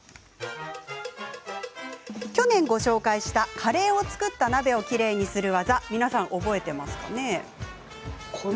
去年ご紹介したカレーを作った鍋をきれいにする技皆さん、覚えてますか？